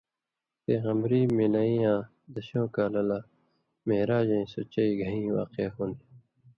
پېغمری مِلَیں یاں دشؤں کالہ لا مِعراجَیں سو چئ گھَیں واقعہ ہُوۡن٘دیۡ۔